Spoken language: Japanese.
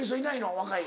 若い。